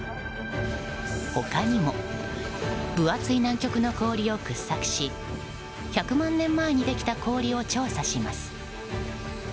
他にも、分厚い南極の氷を掘削し１００万年前にできた氷を調査します。